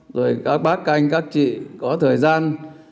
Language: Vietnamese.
rồi các bác các anh các chị có thời gian